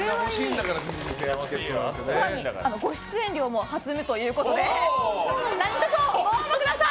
ご出演料もはずむということで何卒、ご応募ください！